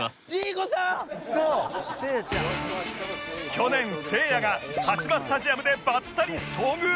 去年せいやがカシマスタジアムでばったり遭遇